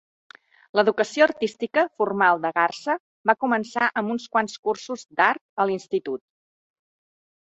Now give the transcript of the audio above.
L'educació artística formal de Garza va començar amb uns quants cursos d'art a l'institut.